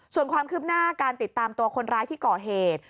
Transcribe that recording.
ส่วนความคืบหน้าการติดตามตัวคนร้ายที่ก่อเหตุ